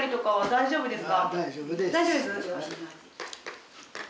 大丈夫です？